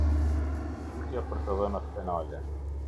Lutja për të dhënat penale.